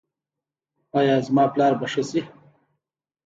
ایا زما پلار به ښه شي؟